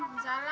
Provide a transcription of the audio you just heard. konjum sila ama